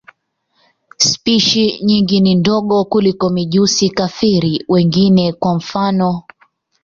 Spishi nyingi ni ndogo kuliko mijusi-kafiri wengine, kwa mfano.